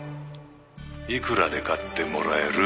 いくらで買ってもらえる？」